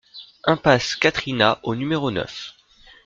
Impasse Quatrina au numéro neuf